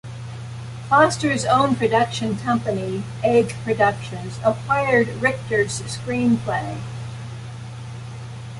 Foster's own production company, Egg Productions, acquired Richter's screenplay.